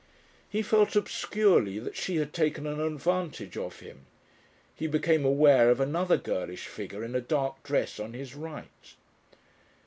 He felt obscurely that she had taken an advantage of him. He became aware of another girlish figure in a dark dress on his right.